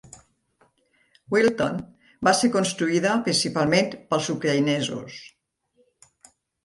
Wilton va ser construïda principalment pels ucraïnesos.